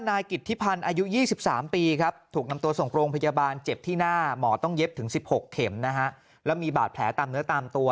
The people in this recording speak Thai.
นายกิจธิพันธ์อายุ๒๓ปีครับถูกนำตัวส่งโรงพยาบาลเจ็บที่หน้าหมอต้องเย็บถึง๑๖เข็มนะฮะแล้วมีบาดแผลตามเนื้อตามตัว